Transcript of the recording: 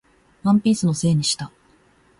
ワンピースのせいにした